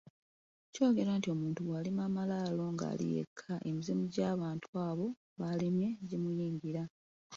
Kyogerwa nti omuntu bw'alima amalaalo ng'ali yekka, emizimu by'abantu abo b'alimye gimunyiigira.